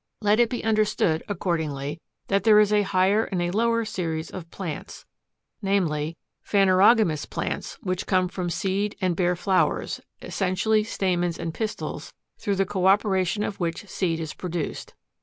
6. Let it be understood, accordingly, that there is a higher and a lower series of plants; namely: PHANEROGAMOUS PLANTS, which come from seed and bear flowers, essentially stamens and pistils, through the co operation of which seed is produced.